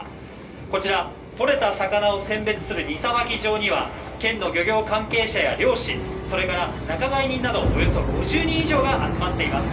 こちら、取れた魚を選別する荷さばき所には、県の漁業関係者や漁師、それから仲買人など、およそ５０人以上が集まっています。